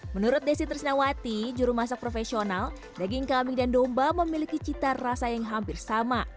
menurut desi trisnawati juru masak profesional daging kambing dan domba memiliki cita rasa yang hampir sama